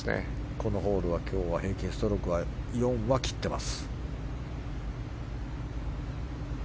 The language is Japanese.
このホールは平均ストローク４は切ってます。